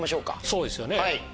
そうですよね。